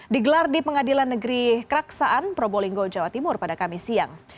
digelar di pengadilan negeri keraksaan probolinggo jawa timur pada kamis siang